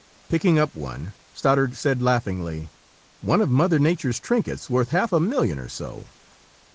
Picking up one, Stoddard said laughingly: "One of Mother Nature's trinkets worth half a million or so!"